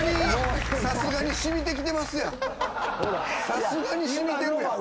さすがに染みてる。